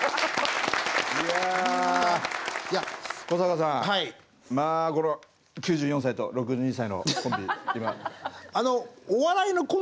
古坂さんまあこれは９４歳と６２歳のコンビ今。